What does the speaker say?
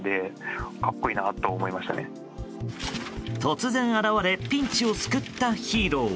突然現れピンチを救ったヒーロー。